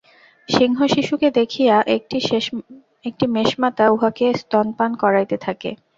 সিংহশিশুকে দেখিয়া একটি মেষমাতা উহাকে স্তন্য পান করাইতে থাকে।